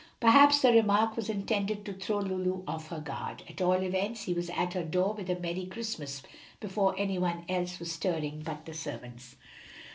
Perhaps the remark was intended to throw Lulu off her guard; at all events he was at her door with a "Merry Christmas," before any one else was stirring but the servants.